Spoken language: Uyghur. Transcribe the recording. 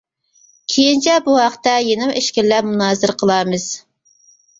كېيىنچە بۇ ھەقتە يەنىمۇ ئىچكىرىلەپ مۇنازىرە قىلارمىز.